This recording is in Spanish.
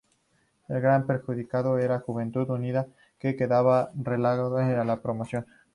El gran perjudicado era Juventud Unida, que quedaba relegado a la promoción.